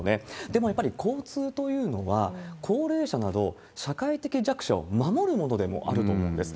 でもやっぱり交通というのは、高齢者など、社会的弱者を守るものでもあると思うんです。